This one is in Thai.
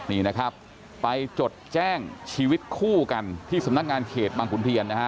นี่นะครับไปจดแจ้งชีวิตคู่กันที่สำนักงานเขตบางขุนเทียนนะฮะ